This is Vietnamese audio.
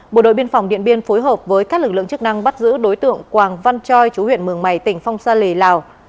bộ đội biên phòng điện biên phối hợp với các lực lượng chức năng bắt giữ đối tượng quảng văn choi chú huyện mường mày tỉnh phong sa lì lào